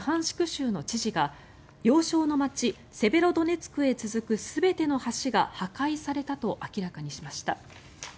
州の知事が要衝の街、セベロドネツクへ続く全ての橋が破壊されたと明らかにしました。